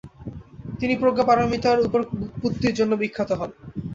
তিনি প্রজ্ঞাপারমিতার ওপর ব্যুৎপত্তির জন্য বিখ্যাত হন।